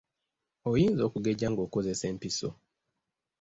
Oyinza okugejja ng’okozesa empiso.